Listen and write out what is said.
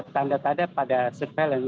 tanda tanda pada penyelidikan